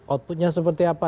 outputnya seperti apa